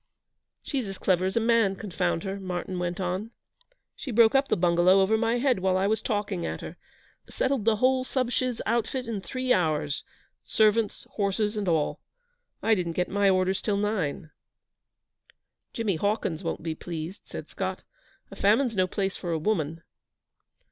'She's as clever as a man, confound her,' Martyn went on. 'She broke up the bungalow over my head while I was talking at her. Settled the whole subchiz [outfit] in three hours servants, horses, and all. I didn't get my orders till nine. 'Jimmy Hawkins won't be pleased,' said Scott. 'A famine's no place for a woman.'